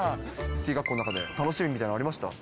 スキー学校の中で楽しみみたいのありました？